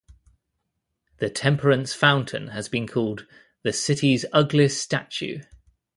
The Temperance Fountain has been called "the city's ugliest statue".